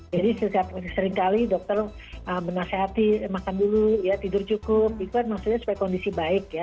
jadi seringkali dokter menasehati makan dulu tidur cukup itu kan maksudnya supaya kondisi baik ya